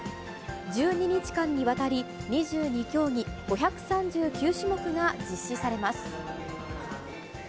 １２日間にわたり、２２競技５３９種目が実施されます。